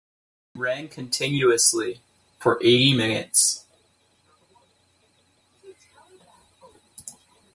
It ran, continuously, for eighty minutes.